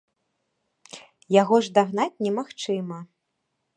Яго ж дагнаць немагчыма.